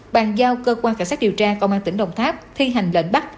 bàn giao cơ quan cảnh sát điều tra công an tỉnh đồng tháp thi hành lệnh bắt